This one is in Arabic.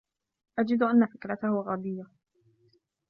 أجد أن فكرته غبيّة.